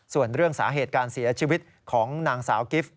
ส่วนเรื่องสาเหตุการเสียชีวิตของนางสาวกิฟต์